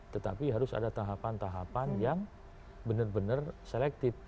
tetapi harus ada tahapan tahapan yang benar benar selektif